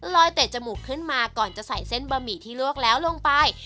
เตะจมูกขึ้นมาก่อนจะใส่เส้นบะหมี่ที่ลวกแล้วลงไป